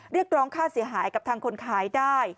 เรียกร้องค่าเสียหายกับทางคนขายได้